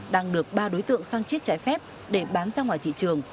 đang được ba đối tượng sang chiết trái phép để bán ra ngoài thị trường